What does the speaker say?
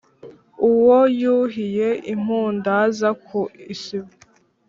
Uwo yuhiye impundaza ku isibo